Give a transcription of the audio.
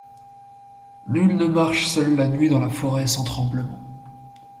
Nul ne marche seul la nuit dans la forêt sans tremblement.